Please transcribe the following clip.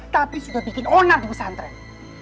tapi sudah bikin onar di pesantren